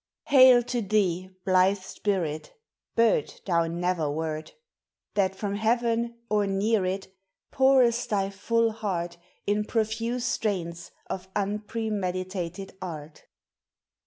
Hail to thee, blithe spirit ! Bird thou never wort. That from heaven, or near it, Pourest thy full heart • In profuse strains of unpremeditated art.